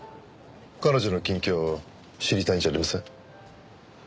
彼女の近況を知りたいんじゃありません？